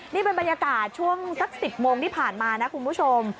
นี่เป็นบรรยากาศช่วงสัก๑๐โมงที่ผ่านมานะคุณผู้ชม